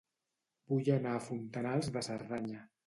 Vull anar a Fontanals de Cerdanya